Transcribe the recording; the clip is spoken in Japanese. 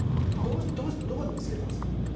どこで見つけたんですか？